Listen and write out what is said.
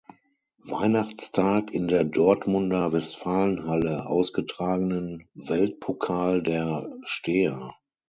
Weihnachtstag in der Dortmunder Westfalenhalle ausgetragenen „Weltpokal der Steher“.